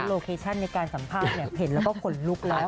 โลเคชั่นในการสัมภาษณ์เห็นแล้วก็ขนลุกแล้ว